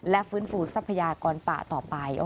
และฟื้นฟูทรัพยากรป่าต่อไป